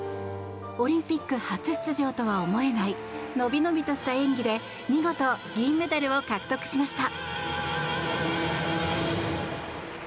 オリンピック初出場とは思えない伸び伸びとした演技で見事、銀メダルを獲得しました。